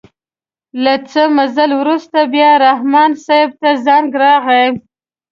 له څه مزل وروسته بیا رحماني صیب ته زنګ راغئ.